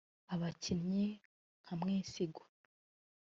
Abakinnyi nka Mwesigwa